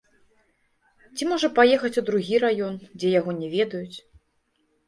Ці можа паехаць у другі раён, дзе яго не ведаюць.